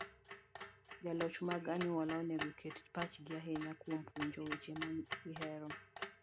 Joloch mag anyuola onego oket pachgi ahinya kuom puonjo weche mag hera.